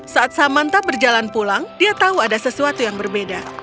saat samanta berjalan pulang dia tahu ada sesuatu yang berbeda